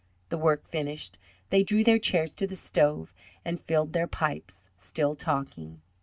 The work finished, they drew their chairs to the stove, and filled their pipes, still talking.